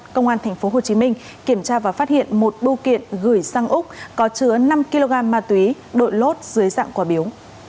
công an tp hcm kiểm tra và phát hiện một bưu kiện gửi sang úc có chứa năm kg ma túy đội lốt dưới dạng quả biếu